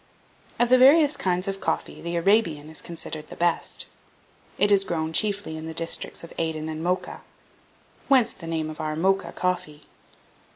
1802. Of the various kinds of coffee the Arabian is considered the best. It is grown chiefly in the districts of Aden and Mocha; whence the name of our Mocha coffee.